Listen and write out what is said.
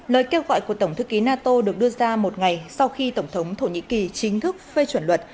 lời kêu gọi của tổng thư ký nato được đưa ra một ngày sau khi tổng thống thổ nhĩ kỳ chính thức phê chuẩn luật